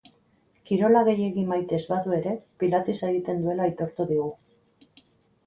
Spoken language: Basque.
Kirola gehiegi maite ez badu ere, pilates egiten duela aitortu digu.